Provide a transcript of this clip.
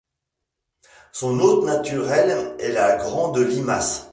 Son hôte naturel est la grande limace.